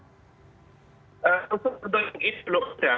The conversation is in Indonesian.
untuk penduduk ini belum ada